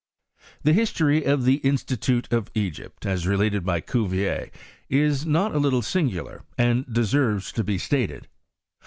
The history of the Institute of Egypt, as related by Cuvier, is not a little singular, and deserves to be stated.